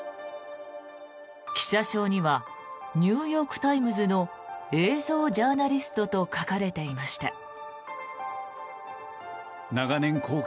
記者証にはニューヨーク・タイムズの映像ジャーナリストと書かれていました。